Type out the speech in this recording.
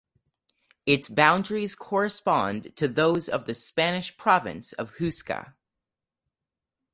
Its boundaries correspond to those of the Spanish province of Huesca.